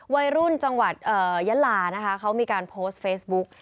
วัยรุ่นจังหวัดยะลานะคะเขามีการโพสต์เฟซบุ๊ก